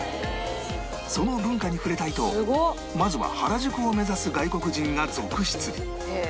その文化に触れたいとまずは原宿を目指す外国人が続出